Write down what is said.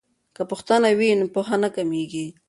که پوښتنه وي نو پوهه نه کمیږي.